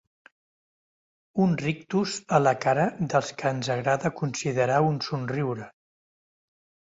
Un rictus a la cara dels que ens agrada considerar un somriure.